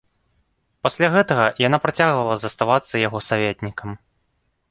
Пасля гэтага яна працягвала заставацца яго саветнікам.